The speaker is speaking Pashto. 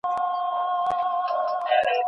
صالحي ميرمني خپل ځان ته اساسي هدفونه ټاکلي وي.